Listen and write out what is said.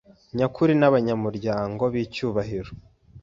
nyakuri n abanyamuryango b icyubahiro